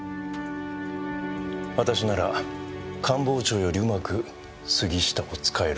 私なら官房長よりうまく杉下を使えると思います。